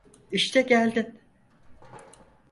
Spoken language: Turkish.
İşte geldin.